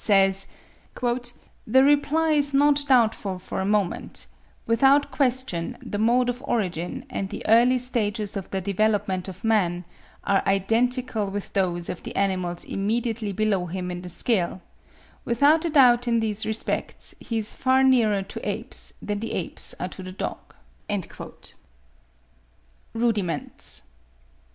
says, "the reply is not doubtful for a moment; without question, the mode of origin, and the early stages of the development of man, are identical with those of the animals immediately below him in the scale: without a doubt in these respects, he is far nearer to apes than the apes are to the dog." RUDIMENTS.